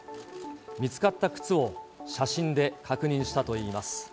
見つかった靴を写真で確認したといいます。